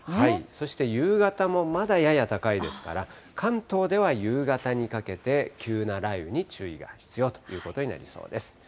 そして夕方もまだやや高いですから、関東では夕方にかけて、急な雷雨に注意が必要ということになりそうです。